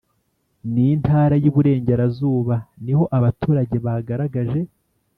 N,intara y,iburengerazuba niho abaturage bagaragaje